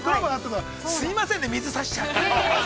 すいませんね、水差しちゃって。